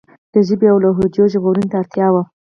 د ژبې او لهجو ژغورنې ته اړتیا وه.